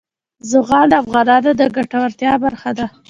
زغال د افغانانو د ګټورتیا برخه ده.